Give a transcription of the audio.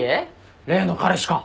例の彼氏か。